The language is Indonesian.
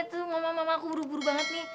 lihat tuh mama mama aku buru buru banget nih